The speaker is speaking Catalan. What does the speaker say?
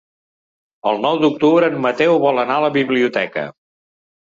El nou d'octubre en Mateu vol anar a la biblioteca.